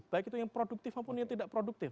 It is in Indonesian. baik itu yang produktif maupun yang tidak produktif